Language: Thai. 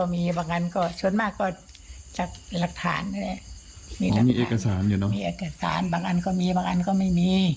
มีเอกสารบางอย่างก็มีบางอย่างก็ไม่มี